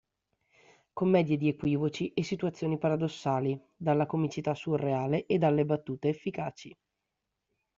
Commedia di equivoci e situazioni paradossali, dalla comicità surreale e dalle battute efficaci.